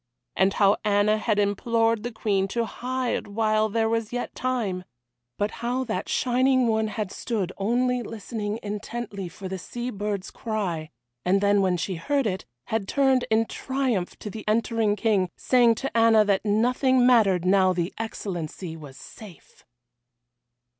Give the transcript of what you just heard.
And how Anna had implored the Queen to hide while there was yet time. But how that shining one had stood only listening intently for the sea bird's cry, and then when she heard it, had turned in triumph to the entering King, saying to Anna that nothing mattered now the Excellency was safe!